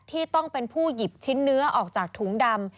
ที่ต้องเป็นผู้หยิบชิ้นเนื้อออกจากถุงดำ